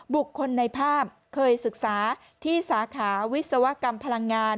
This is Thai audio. บุคคลในภาพเคยศึกษาที่สาขาวิศวกรรมพลังงาน